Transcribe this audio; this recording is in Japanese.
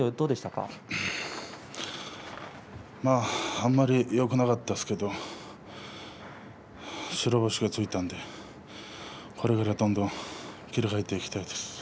あんまりよくなかったですけど白星がついたのでこれからどんどん気合いを入れていきたいです。